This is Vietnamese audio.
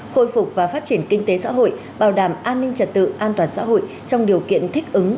khôi phục và phát triển kinh tế xã hội bảo đảm an ninh trật tự an toàn xã hội trong điều kiện thích ứng